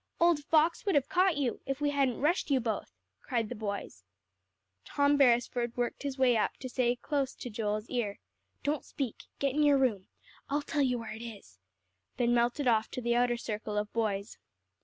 "Old Fox would have caught you, if we hadn't rushed you both," cried the boys. Tom Beresford worked his way up to say close to Joel's ear, "Don't speak, get into your room; I'll tell you where it is," then melted off to the outer circle of boys.